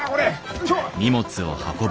よいしょ！